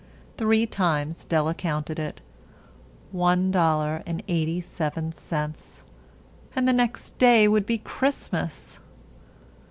Three times Della counted it. One dollar and eighty seven cents. And the next day would be Christmas.